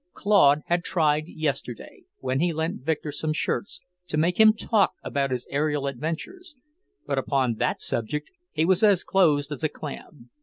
Claude had tried yesterday, when he lent Victor some shirts, to make him talk about his aerial adventures, but upon that subject he was as close as a clam.